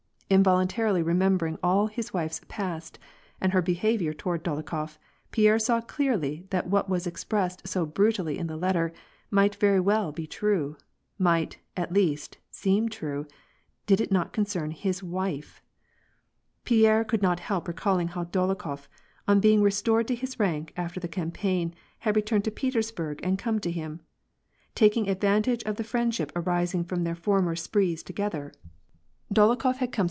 Involuntarily remembering all his wife's past, and her behavior toward Dolokhof, Pierre saw clearly that what was expressed so brutally in the letter might very well be true, might, at least, seem true, did it not concern his wife / Pierre could not help recalling how Dolokhof, on being re stored to his rank after the campaign, had returned to Peters burg and come to him. Taking advantage of the friendship arising from their former sprees together, Dolokhof had come I WAR AND PEACE.